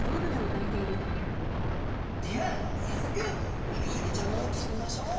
ではさっそくワカサギちゃんを釣りましょう。